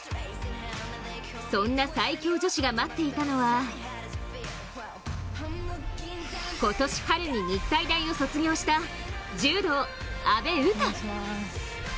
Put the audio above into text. そんな最強女子が待っていたのは今年春に日体大を卒業した柔道、阿部詩。